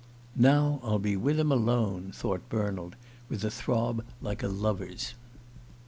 "Now I'll be with him alone!" thought Bernald, with a throb like a lover's.